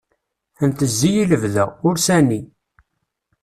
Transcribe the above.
Ntezzi i lebda, ur sani.